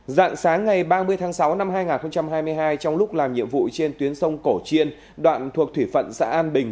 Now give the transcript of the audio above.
dạng sáng ngày ba mươi tháng sáu năm hai nghìn hai mươi hai trong lúc làm nhiệm vụ trên tuyến sông cổ chiên đoạn thuộc thủy phận xã an bình